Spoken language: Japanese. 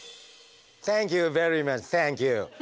サンキューベリーマッチサンキュー。